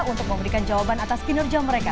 untuk memberikan jawaban atas kinerja mereka